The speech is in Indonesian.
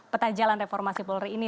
petajalan reformasi polri ini